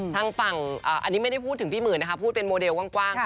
ทางฝั่งอันนี้ไม่ได้พูดถึงพี่หมื่นนะคะพูดเป็นโมเดลกว้าง